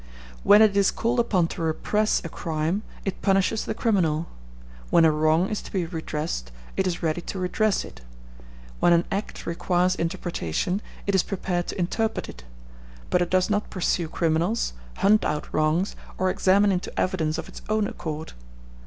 When it is called upon to repress a crime, it punishes the criminal; when a wrong is to be redressed, it is ready to redress it; when an act requires interpretation, it is prepared to interpret it; but it does not pursue criminals, hunt out wrongs, or examine into evidence of its own accord.